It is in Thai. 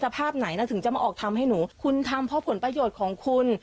ภาพไหนนะถึงจะมาออกทำให้หนูคุณทำเพราะผลประโยชน์ของคุณ